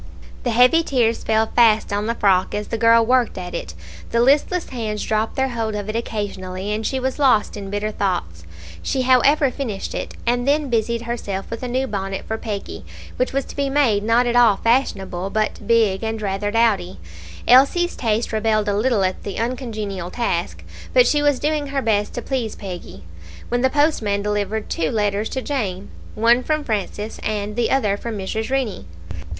The heavy tears fell fast on the frock as the girl worked at it; the listless hands dropped their hold of it occasionally, and she was lost in bitter thoughts. She however finished it, and then busied herself with a new bonnet for Peggy, which was to be made not at all fashionable, but big and rather dowdy. Elsie's taste rebelled a little at the uncongenial task; but she was doing her best to please Peggy when the postman delivered two letters to Jane one from Francis, and the other from Mrs. Rennie.